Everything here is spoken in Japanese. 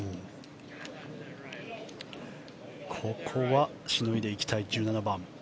ここはしのいでいきたい１７番。